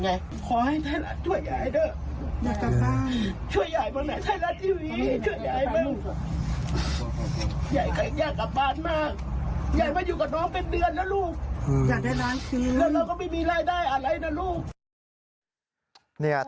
แล้วเราก็ไม่มีรายได้อะไรนะลูก